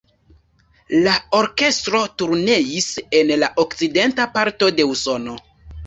La orkestro turneis en la okcidenta parto de Usono.